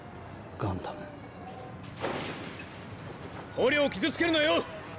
捕虜を傷つけるなよ！